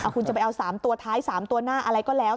คุณจะไปเอา๓ตัวท้าย๓ตัวหน้าอะไรก็แล้ว